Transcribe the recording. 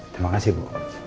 terima kasih bu